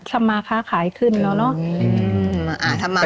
ธรรมาขายขึ้นแล้ว